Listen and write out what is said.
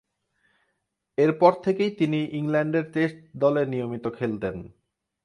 এরপর থেকেই তিনি ইংল্যান্ডের টেস্ট দলে নিয়মিত খেলতেন।